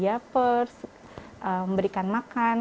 saya bantu untuk memberikan makan